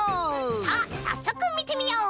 さあさっそくみてみよう！